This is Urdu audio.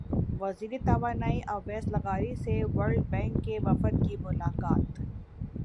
وزیر توانائی اویس لغاری سے ورلڈ بینک کے وفد کی ملاقات